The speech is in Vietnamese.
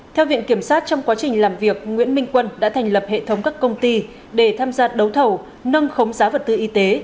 theo viện kiểm sát trong quá trình làm việc nguyễn minh quân đã thành lập hệ thống các công ty để tham gia đấu thầu nâng khống giá vật tư y tế